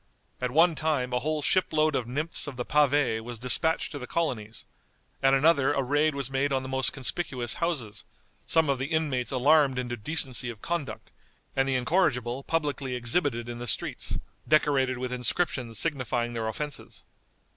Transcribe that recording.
At one time a whole ship load of nymphs of the pavé was dispatched to the colonies; at another a raid was made on the most conspicuous houses, some of the inmates alarmed into decency of conduct, and the incorrigible publicly exhibited in the streets, decorated with inscriptions signifying their offenses.